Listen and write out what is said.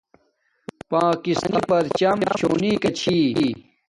پاکستانی پرچم شونیکا چھی